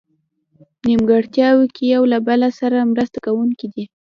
نیمګړتیاوو کې یو له بله سره مرسته کوونکي دي.